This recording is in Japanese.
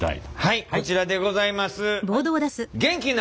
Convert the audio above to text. はいこちらでございます。